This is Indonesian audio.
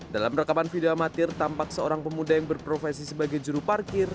dalam rekaman video amatir tampak seorang pemuda yang berprofesi sebagai juru parkir